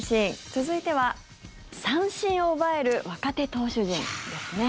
続いては三振を奪える若手投手陣ですね。